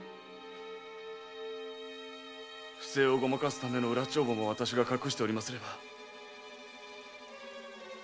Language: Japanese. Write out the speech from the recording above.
不正をごまかすための裏帳簿も私が隠しておりますればご心配なく。